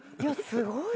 すごい。